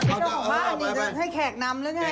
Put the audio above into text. ไม่ต้องออกบ้านนี่ให้แขกนำหรือไง